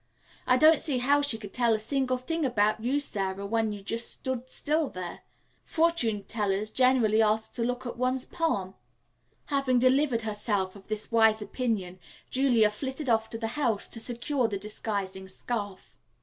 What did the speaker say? I don't see how she could tell a single thing about you, Sara, when you just stood still there. Fortune tellers generally ask to look at one's palm." Having delivered herself of this wise opinion, Julia flitted off to the house to secure the disguising scarf.